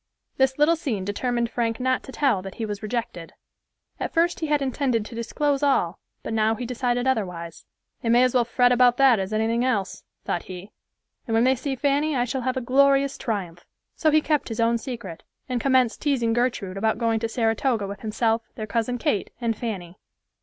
This little scene determined Frank not to tell that he was rejected. At first he had intended to disclose all, but now he decided otherwise. "They may as well fret about that as anything else," thought he, "and when they see Fanny, I shall have a glorious triumph." So he kept his own secret, and commenced teasing Gertrude about going to Saratoga with himself, their cousin Kate and Fanny.